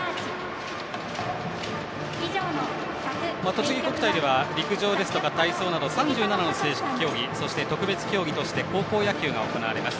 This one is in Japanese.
とちぎ国体では陸上や体操など３７の正式競技、そして特別競技として高校野球が開催されます。